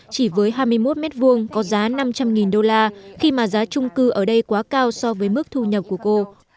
chỉ với hai mươi một m hai có giá năm trăm linh đô la khi mà giá trung cư ở đây quá cao so với mức thu nhập của cô